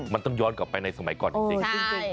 มันต้องย้อนกลับไปในสมัยก่อนจริง